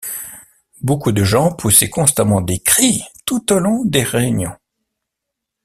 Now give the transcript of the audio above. Beaucoup de gens poussaient constamment des cris tout au long des réunions.